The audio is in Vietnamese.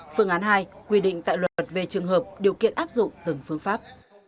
phương án hai quy định tại luật về trường hợp điều kiện áp dụng từng phương pháp